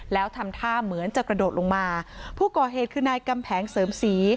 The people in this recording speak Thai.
แล้วทำท่าเหมือนจะกระโดดลงมาผู้ก่อเหตุคือนายกำแผงเสริมศรี